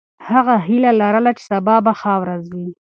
هغه هیله لرله چې سبا به ښه ورځ وي.